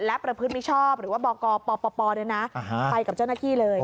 และประพฤติมิชชอบหรือว่าบอกกปปปด้วยนะไปกับเจ้านักขี้เลย